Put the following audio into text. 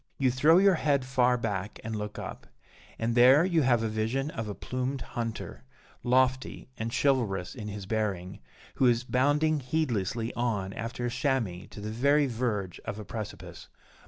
You throw your head far back and look up; and there you have a vision of a plumed hunter, lofty and chivalrous in his bearing, who is bounding heedlessly on after a chamois to the very verge of a precipice.